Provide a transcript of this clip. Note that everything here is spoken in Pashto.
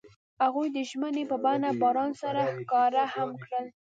هغوی د ژمنې په بڼه باران سره ښکاره هم کړه.